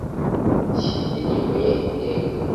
shyira indirimbo ye iteka: